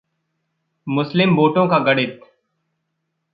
मुस्लिम वोटों का गणित